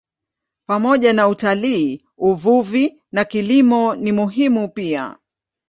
Pamoja na utalii, uvuvi na kilimo ni muhimu pia.